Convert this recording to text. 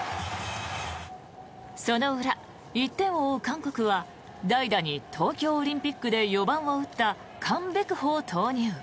その裏、１点を追う韓国は代打に東京オリンピックで４番を打ったカン・ベクホを投入。